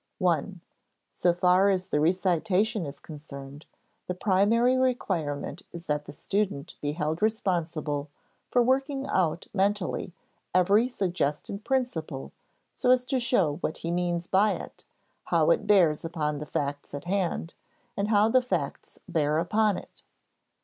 (i) So far as the recitation is concerned, the primary requirement is that the student be held responsible for working out mentally every suggested principle so as to show what he means by it, how it bears upon the facts at hand, and how the facts bear upon it.